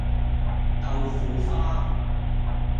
豆腐花